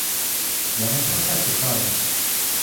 Я не про те питаю.